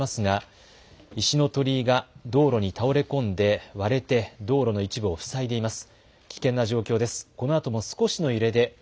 神社の鳥居と見られますが、石の鳥居が道路に倒れ込んで割れて道路の一部を塞いでいます。